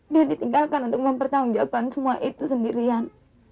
dia ditinggalkan untuk mempertanggungjawabkan semua itu sendirian